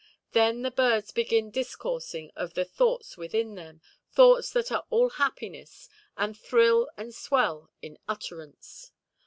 Then the birds begin discoursing of the thoughts within them—thoughts that are all happiness, and thrill and swell in utterance.